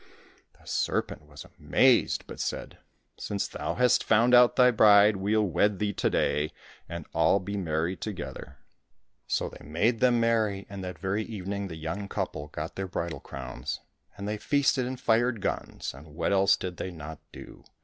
The serpent was amazed, but said, " Since thou hast found out thy bride, we'll wed thee to day, and all be merry together." So they made them merry, and that very evening the young couple got their bridal crowns. And they feasted and fired guns, and what else did they not do